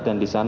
dan di jepang